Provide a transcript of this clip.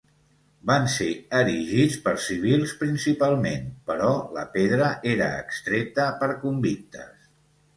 Van ser erigits per civils principalment, però la pedra era extreta per convictes.